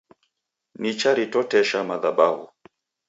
Nicharitotesha madhabahu